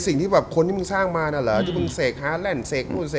คนที่คูณสร้างมาข้อพิโฆซาจปืนออกมา